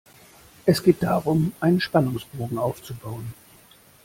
Es geht darum, einen Spannungsbogen aufzubauen.